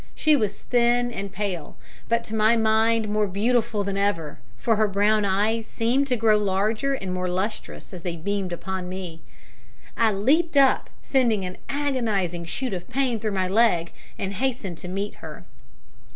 She was thin, and pale, but to my mind more beautiful than ever, for her brown eyes seemed to grow larger and more lustrous as they beamed upon me. I leaped up, sending an agonising shoot of pain through my leg, and hastened to meet her.